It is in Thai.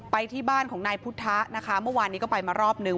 ไปที่บ้านของนายพุทธะนะคะเมื่อวานนี้ก็ไปมารอบนึง